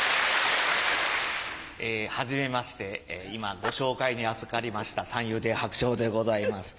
はじめまして今ご紹介に預かりました三遊亭白鳥でございます。